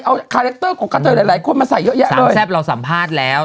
เอาคาแรคเตอร์ของคาเตอร์หลายหลายคนมาใส่เยอะแยะเลยแซ่บเราสัมภาษณ์แล้ว